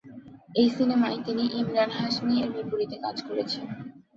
এই সিনেমায় তিনি ইমরান হাশমি এর বিপরীতে কাজ করেন।